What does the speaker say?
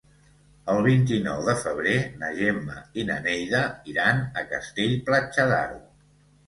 El vint-i-nou de febrer na Gemma i na Neida iran a Castell-Platja d'Aro.